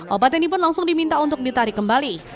obat ini pun langsung diminta untuk ditarik kembali